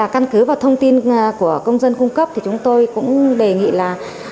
căn cứ và thông tin của công dân cung cấp thì chúng tôi cũng đề nghị là